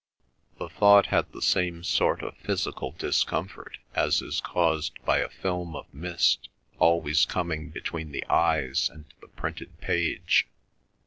The thought had the same sort of physical discomfort as is caused by a film of mist always coming between the eyes and the printed page.